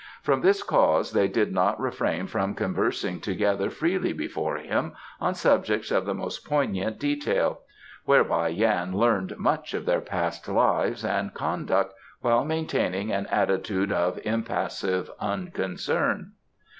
From this cause they did not refrain from conversing together freely before him on subjects of the most poignant detail, whereby Yan learned much of their past lives and conduct while maintaining an attitude of impassive unconcern.